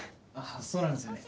そうなんですよね。